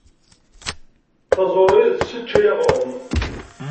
Taẓuri tesseččay aɣrum.